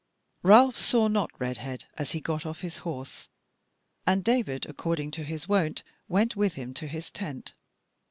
Ralph saw not Redhead as he got off his horse, and David according to his wont went with him to his tent.